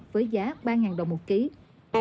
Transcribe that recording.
với giá ba đồng một kg